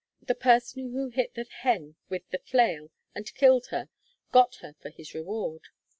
The person who hit the hen with the flail and killed her got her for his reward.